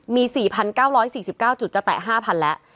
มี๔๙๔๙จุดจะแตะ๕๐๐๐แล้ว